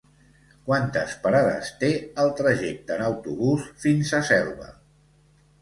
Quantes parades té el trajecte en autobús fins a Selva?